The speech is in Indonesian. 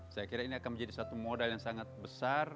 saya kira ini akan menjadi satu modal yang sangat besar